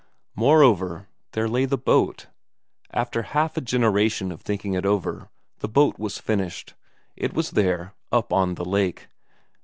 Moreover, there lay the boat; after half a generation of thinking it over, the boat was finished; it was there, up on the lake.